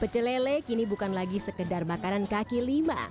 pecelele kini bukan lagi sekedar makanan kaki lima